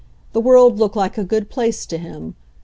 The world looked like a good place to him.